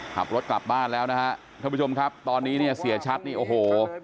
ขับรถกลับบ้านแล้วนะฮะท่านผู้ชมครับตอนนี้เนี่ยเสียชัดนี่โอ้โห